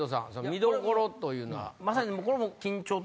見どころというのは。